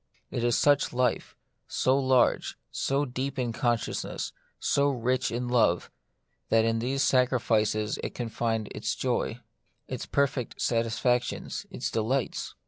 It is such life, so large, so deep in consciousness, so rich in love, that in these sacrifices it can find its joy, its perfect satisfactions, its delights.